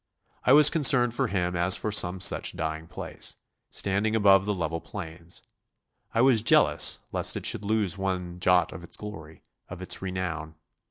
I was concerned for him as for some such dying place, standing above the level plains; I was jealous lest it should lose one jot of its glory, of its renown.